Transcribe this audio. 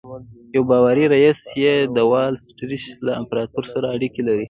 یو باوري ريیس یې د وال سټریټ له امپراتور سره اړیکې لري